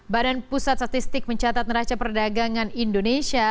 badan pusat statistik mencatat neraca perdagangan indonesia